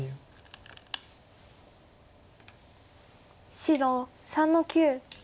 白３の九。